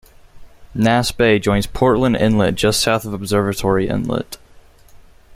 Nass Bay joins Portland Inlet just south of Observatory Inlet.